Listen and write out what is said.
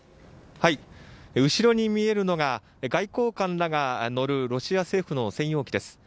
後ろに見えるのが外交官らが乗るロシア政府の専用機です。